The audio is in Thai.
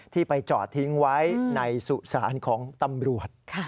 ไปจอดทิ้งไว้ในสุสานของตำรวจ